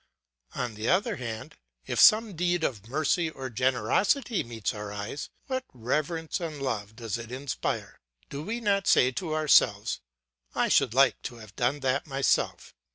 On the other hand, if some deed of mercy or generosity meets our eye, what reverence and love does it inspire! Do we not say to ourselves, "I should like to have done that myself"?